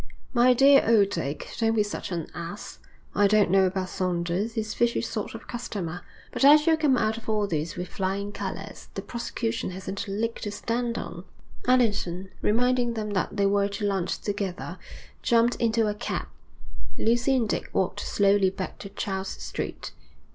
'My dear old Dick, don't be such an ass. I don't know about Saunders he's a fishy sort of customer but I shall come out of all this with flying colours. The prosecution hasn't a leg to stand on.' Allerton, reminding them that they were to lunch together, jumped into a cab. Lucy and Dick walked slowly back to Charles Street.